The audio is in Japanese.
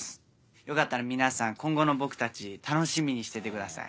よかったら皆さん今後の僕たち楽しみにしててください。